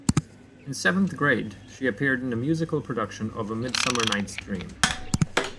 In seventh grade, she appeared in a musical production of "A Midsummer Night's Dream".